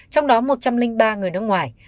trong đó một trăm linh ba người nước ngoài